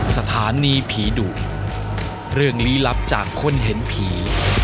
สถานีผีดุเรื่องลี้ลับจากคนเห็นผี